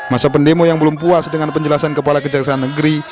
masa pendemo yang belum puas dengan penjelasan kepala kejaksaan negeri